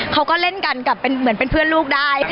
เขาก็เล่นกันกับเหมือนเป็นเพื่อนลูกได้